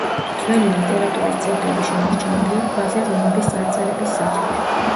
ძველი ლიტერატურის ძეგლები შემორჩენილია ქვაზე რუნების წარწერების სახით.